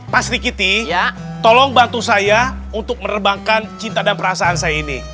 pak sri kiti tolong bantu saya untuk merebangkan cinta dan perasaan saya ini